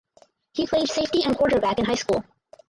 He played safety and quarterback in high school.